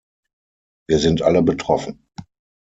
Wir sind alle betroffen.